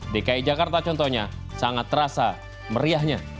dki jakarta contohnya sangat terasa meriahnya